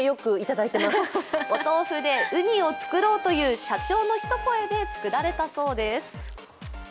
「お豆腐でうにを作ろう」という社長の一声で作られたそうです。